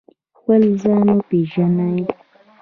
خپل ځان وپیژنئ